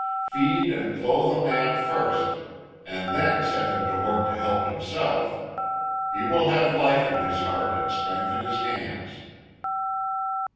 Feed and clothe a man first, and then set him to work to help himself. He will have life in his heart and strength in his hands."